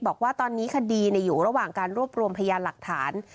บอกว่าตอนนี้คดีอยู่ระหว่างการรวบรวมพยานหลักฐาน